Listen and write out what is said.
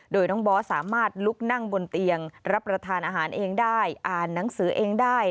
โดยน้องบอสสามารถลุกนั่งบนเตียงรับประทานอาหารเองได้อ่านหนังสือเองได้